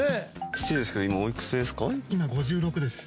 失礼ですけど今おいくつですか？